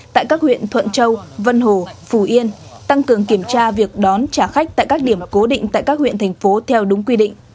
tại các huyện thuận châu vân hồ phù yên tăng cường kiểm tra việc đón trả khách tại các điểm cố định tại các huyện thành phố theo đúng quy định